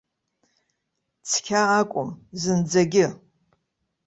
Цқьа акәым, зынӡагьы.